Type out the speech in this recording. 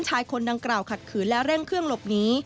ชายคนดังกล่าวขัดขืนและเร่งเครื่องหลบหนี